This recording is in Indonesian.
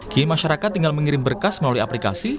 kini masyarakat tinggal mengirim berkas melalui aplikasi